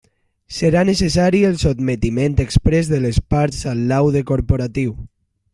Serà necessari el sotmetiment exprés de les parts al laude corporatiu.